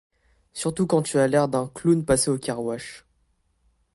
Surtout quand tu as l’air d’un clown passé au car-wash.